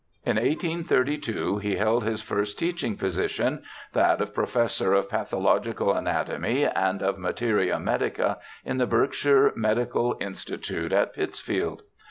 In 1832 he held his first teaching position, that of professor of pathological anatomy and of materia medica in the Berkshire Medical Institute, at Pittsfield.